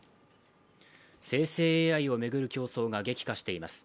生成ＡＩを巡る競争が激化しています。